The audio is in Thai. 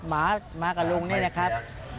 หมามากับลุงนี่นะครับ